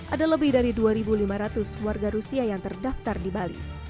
ada lebih dari dua lima ratus warga rusia yang terdaftar di bali